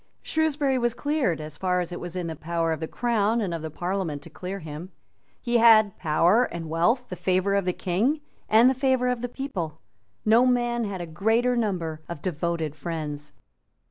Shrewsbury was cleared as far as it was in the power of the Crown and of the Parliament to clear him. He had power and wealth, the favour of the King and the favour of the people. No man had a greater number of devoted friends.